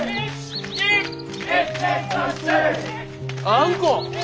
あんこ！